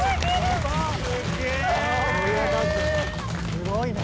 すごいね。